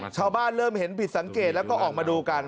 เริ่มเห็นผิดสังเกตแล้วก็ออกมาดูกัน